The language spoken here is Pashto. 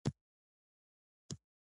دا د ماتې په عامل بدل شوی دی.